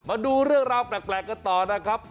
มาดูเรื่องราวแปลกกันต่อนะครับ